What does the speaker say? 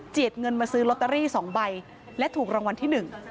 เงินมาซื้อลอตเตอรี่สองใบและถูกรางวัลที่หนึ่ง